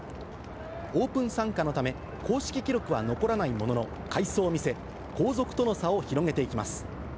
オープン参加のため、公式記録は残らないものの、快走を見せ、後続との差を広げていきます。